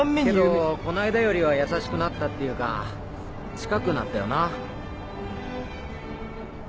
けどこの間よりは優しくなったっていうか近くなったよな。